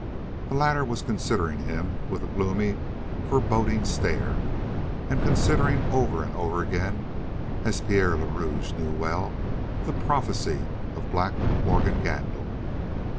The latter was considering him with a gloomy, foreboding stare and considering over and over again, as Pierre le Rouge well knew, the prophecy of Black Morgan Gandil.